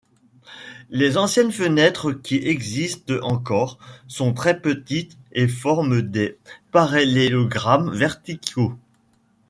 Les anciennes fenêtres, qui existent encore, sont très-petites et forment des parallélogrammes verticaux.